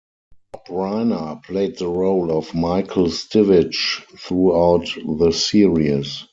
Rob Reiner played the role of Michael Stivic throughout the series.